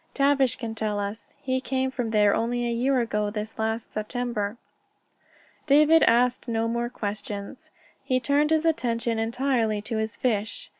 Tavish can tell us. He came from there only a year ago this last September." David asked no more questions. He turned his attention entirely to his fish.